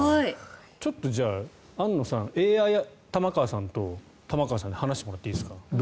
ちょっとじゃあ、安野さんＡＩ玉川さんと玉川さんで話してもらっていいですか？